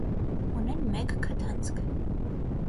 Ունեն մեկ քթանցք։